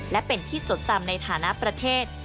และเป็นที่จดจำในฐานะประเทศ